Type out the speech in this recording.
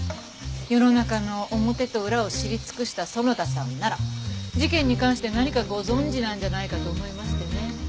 世の中の表と裏を知り尽くした園田さんなら事件に関して何かご存じなんじゃないかと思いましてね。